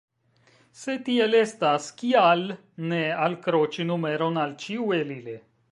Se tiel estas, kial ne alkroĉi numeron al ĉiu el ili?